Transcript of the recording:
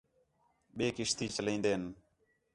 ٻئے کشتی چلائیندین